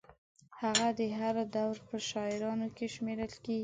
هغه د هر دور په شاعرانو کې شمېرل کېږي.